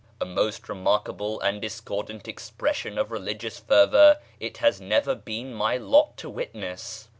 A more remarkable and discordant expression of religious fervour it has never been my lot to witness.